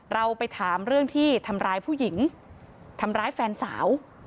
เราไปถามเรื่องที่ทำร้ายผู้หญิงทำร้ายแฟนสาว